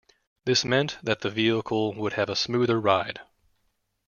This meant that the vehicle would have a smoother ride.